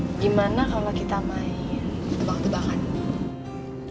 wih gimana kalau kita main tebakan tebakan